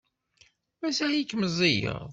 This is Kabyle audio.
Mazal-ik meẓẓiyeḍ.